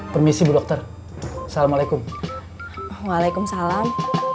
permisi bu dokter assalamualaikum waalaikumsalam